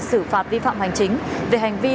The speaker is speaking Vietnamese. xử phạt vi phạm hành chính về hành vi